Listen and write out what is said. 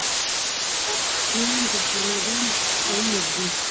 افغاني زلمیان پر میدان سرونه ږدي.